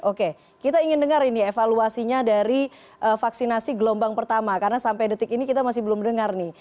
oke kita ingin dengar ini evaluasinya dari vaksinasi gelombang pertama karena sampai detik ini kita masih belum dengar nih